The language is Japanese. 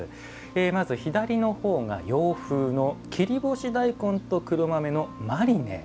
まず、左のほうが洋風の切り干し大根と黒豆のマリネ。